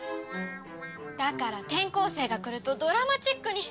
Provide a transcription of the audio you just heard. だから転校生が来るとドラマチックに。